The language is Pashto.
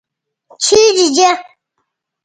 چیرته ځئ؟